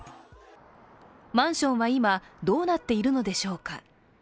マンションは今、どうなっているのでしょうか。